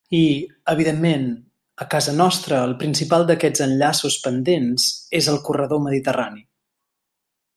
I, evidentment, a casa nostra el principal d'aquests enllaços pendents és el corredor mediterrani.